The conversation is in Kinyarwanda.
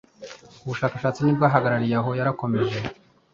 Ubushakashatsi ntibwahagarariye aho yarakomeje